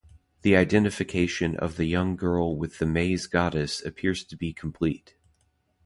The identification of the young girl with the Maize Goddess appears to be complete.